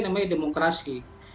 hanya menghargai demokrasi